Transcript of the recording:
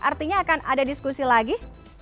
artinya akan ada diskusi lagi